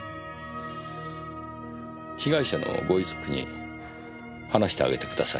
被害者のご遺族に話してあげてください。